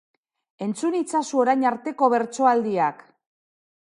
Entzun itzazu orain arteko bertsoaldiak!